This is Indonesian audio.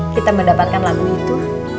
kita mendapatkan lagu itu